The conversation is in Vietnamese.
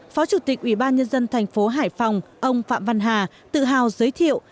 phó chủ tịch ủy ban nhân dân thành phố hải phòng ông phạm văn hà tự hào giới thiệu